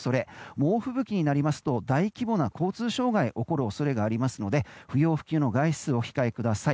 猛吹雪になりますと大規模な交通障害が起こる恐れがありますので不要不急の外出お控えください。